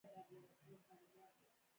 که بست نه وي نو تقرر نه کیږي.